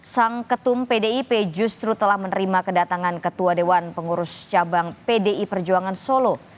sang ketum pdip justru telah menerima kedatangan ketua dewan pengurus cabang pdi perjuangan solo